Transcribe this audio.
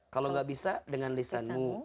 kalau gak bisa dengan lisanmu